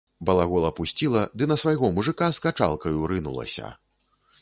Балагола пусціла ды на свайго мужыка з качалкаю рынулася.